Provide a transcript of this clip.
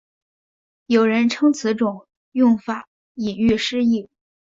有人称此种用法引喻失义。